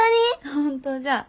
本当じゃ。